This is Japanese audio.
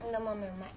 うまい。